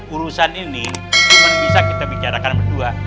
urusan ini cuma bisa kita bicarakan berdua